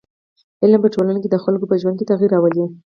علم په ټولنه کي د خلکو په ژوند کي تغیر راولي.